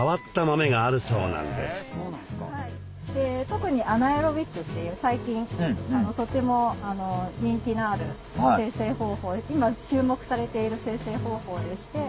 特にアナエロビックっていう最近とても人気のある精製方法で今注目されている精製方法でして。